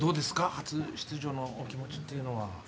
初出場のお気持ちっていうのは。